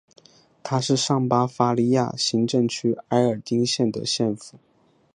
它是上巴伐利亚行政区埃尔丁县的县府。